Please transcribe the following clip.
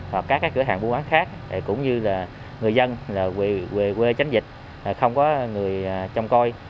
hoặc các cửa hàng buôn quán khác cũng như người dân quê tránh dịch không có người trông coi